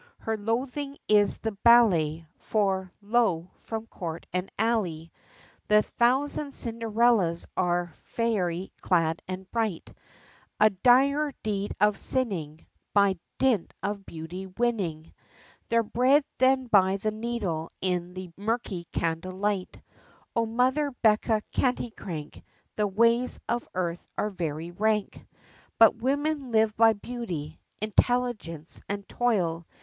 Her loathing is the ballet; For lo! from court and alley, The thousand Cinderellas are fairy clad and bright, A direr deed of sinning By dint of beauty winning Their bread, than by the needle, in the murky candlelight, O Mother Becca Canticrank, The ways of earth are very rank; But women live by beauty, intelligence, and toil.